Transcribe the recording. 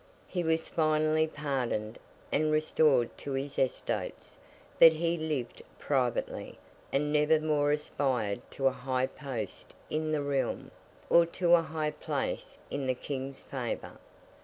He was finally pardoned and restored to his estates, but he lived privately, and never more aspired to a high post in the realm, or to a high place in the King's favour.